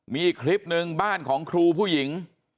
มีอีกคลิปหนึ่งบ้านของครูผู้หญิง